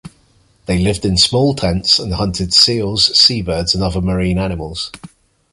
They lived in small tents and hunted seals, seabirds, and other marine animals.